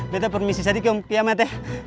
biar saya permisi saja om kiamat